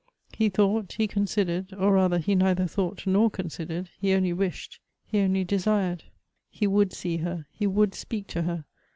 He thought, he considered, or rather he neither thought nor con sidered ; he only wished — he only desii ed. He would see her ; he would speak to her.